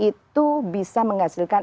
itu bisa menghasilkan